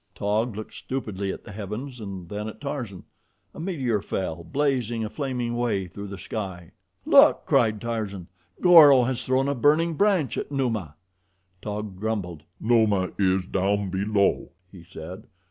Taug looked stupidly at the heavens and then at Tarzan. A meteor fell, blazing a flaming way through the sky. "Look!" cried Tarzan. "Goro has thrown a burning branch at Numa." Taug grumbled. "Numa is down below," he said.